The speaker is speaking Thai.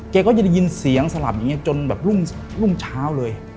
ก็จะได้ยินเสียงสลับอย่างนี้จนแบบรุ่งเช้าเลย